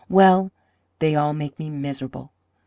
Well, they all make me miserable.